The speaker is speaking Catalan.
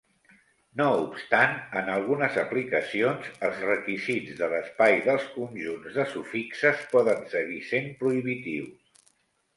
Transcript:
No obstant, en algunes aplicacions, els requisits de l'espai dels conjunts de sufixes poden seguir sent prohibitius.